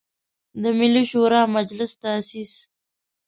د ملي شوری مجلس تاسیس.